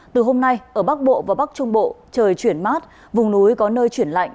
từ hôm nay ở bắc bộ và bắc trung bộ trời chuyển mát vùng núi có nơi chuyển lạnh